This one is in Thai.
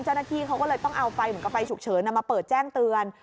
เจ้าหน้าที่เขาก็เลยต้องเอาไฟเหมือนกับไฟฉุกเฉินมาเปิดแจ้งเตือน